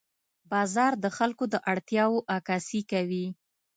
بازار د خلکو د اړتیاوو عکاسي کوي.